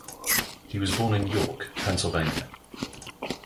He was born in York, Pennsylvania.